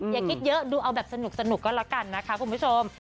อย่าคิดเยอะดูเอาแบบสนุกก็แล้วกันนะคะคุณผู้ชม